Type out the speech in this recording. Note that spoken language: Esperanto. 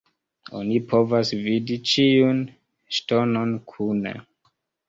Oni povas vidi ĉiun ŝtonon kune.